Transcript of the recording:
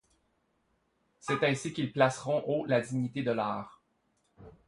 C’est ainsi qu’ils placeront haut la dignité de l’art.